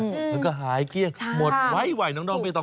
แล้วก็หายเกรียงหมดไว้น้องไปต่อ